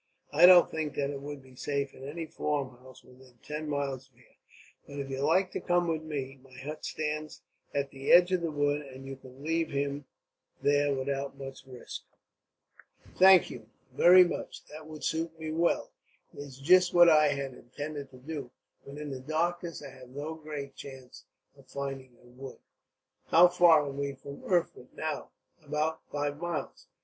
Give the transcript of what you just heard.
"I don't think that it would be safe in any farmhouse within ten miles of here; but if you like to come with me, my hut stands at the edge of a wood, and you could leave him there without much risk." "Thank you, very much; that would suit me well. It is just what I had intended to do, but in the darkness I have no great chance of finding a wood. "How far are we from Erfurt, now?" "About five miles."